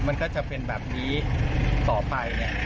มันก็จะเป็นแบบนี้ต่อไปเนี่ย